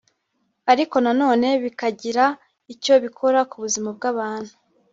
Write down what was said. ariko na none bikagira icyo bikora ku buzima bw’abantu